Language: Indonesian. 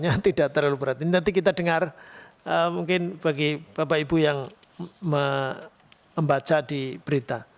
ya tidak terlalu berarti nanti kita dengar mungkin bagi bapak ibu yang me me me baca di berita berita